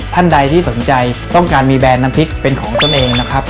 ท่านใดที่สนใจต้องการมีแบรนดน้ำพริกเป็นของตนเองนะครับ